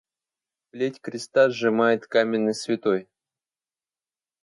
Плеть креста сжимает каменный святой.